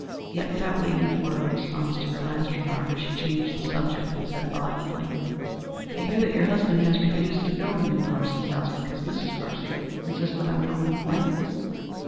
Yet, without waiting for a response to her last remark, she changed the subject, and said, volubly, "I hear that your husband has refused to build the new Parsons house because Mrs. Parsons insisted on drawing the plans."